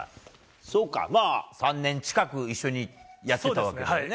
そうかまぁ３年近く一緒にやってたわけだからね。